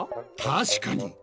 確かに。